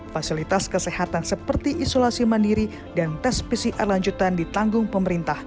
fasilitas kesehatan seperti isolasi mandiri dan tes pcr lanjutan ditanggung pemerintah